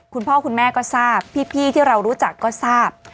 คุณพ่อคุณแม่ก็ทราบพี่ที่เรารู้จักก็ทราบ